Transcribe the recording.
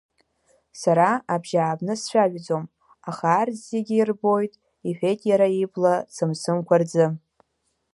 Сара абжьааԥны сцәажәаӡом аха арҭ зегьы рбоит, — иҳәеит иара ибла цымцымқәа рзы…